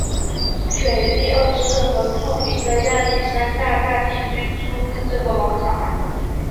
腓力二世和著名的亚历山大大帝均出自这个王朝。